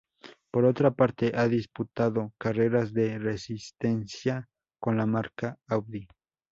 Por otra parte, ha disputado carreras de resistencia con la marca Audi.